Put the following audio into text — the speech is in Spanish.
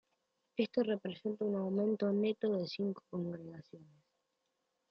Esto representa un aumento neto de cinco congregaciones.